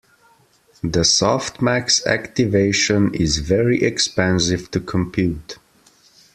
The softmax activation is very expensive to compute.